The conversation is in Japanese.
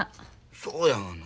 そうやがな。